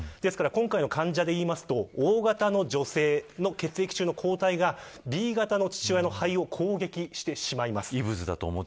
今回の患者でいいますと女性の血液中の抗体がＢ型の父親の肺を攻撃してしまいます。